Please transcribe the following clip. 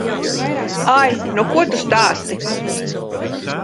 Ai, nu, ko tu stāsti.